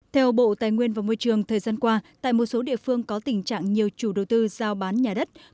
theo bộ tài nguyên và môi trường thời gian qua tại một số địa phương có tình trạng nhiều chủ đầu tư giao bán nhà đất